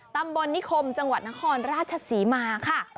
ตำบลนิคมจังหวัดนครราชศรีมาค่ะ